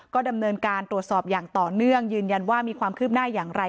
ก็ดำเนินการตรวจสอบอย่างต่อเนื่องยืนยันว่ามีความคืบหน้าอย่างไร